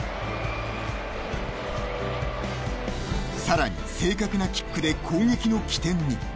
更に、正確なキックで攻撃の起点に。